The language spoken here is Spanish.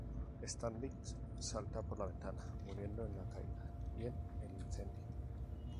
Standish salta por la ventana, muriendo en la caída y en el incendio.